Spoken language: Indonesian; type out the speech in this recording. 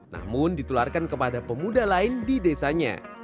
namun ditularkan kepada pemuda lain di desanya